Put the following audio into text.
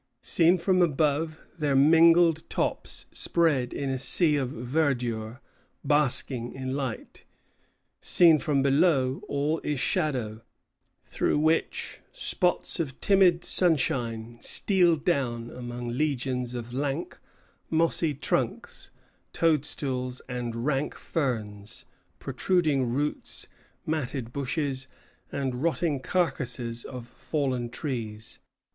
Seen from above, their mingled tops spread in a sea of verdure basking in light; seen from below, all is shadow, through which spots of timid sunshine steal down among legions of lank, mossy trunks, toadstools and rank ferns, protruding roots, matted bushes, and rotting carcasses of fallen trees.